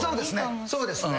そうですね。